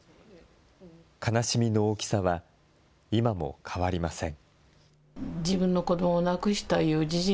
悲しみの大きさは今も変わりません。